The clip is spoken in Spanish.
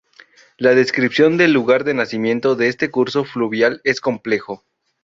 La descripción del lugar de nacimiento de este curso fluvial es complejo.